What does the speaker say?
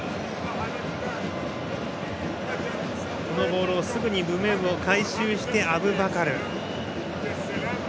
ボールをすぐに回収してアブバカル。